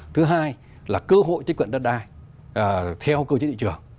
thứ hai là cơ hội tiếp cận đất đai theo cơ chế thị trường